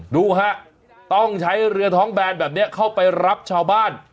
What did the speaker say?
ดูฮะต้องใช้เรือท้องแบนแบบนี้เข้าไปรับชาวบ้าน